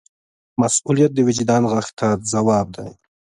مسؤلیت د وجدان غږ ته ځواب دی.